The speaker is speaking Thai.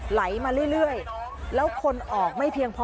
ไหลมาเรื่อยแล้วคนออกไม่เพียงพอ